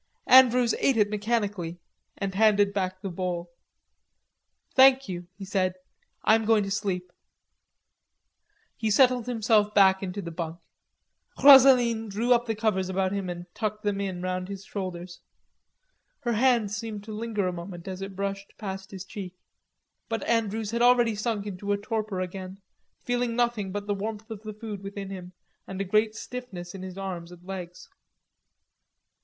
Andrews ate it mechanically, and handed back the bowl. "Thank you," he said, "I am going to sleep." He settled himself into the bunk. Rosaline drew the covers up about him and tucked them in round his shoulders. Her hand seemed to linger a moment as it brushed past his cheek. But Andrews had already sunk into a torpor again, feeling nothing but the warmth of the food within him and a great stiffness in his legs and arms.